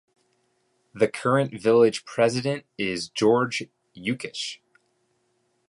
The current village president is George Yukich.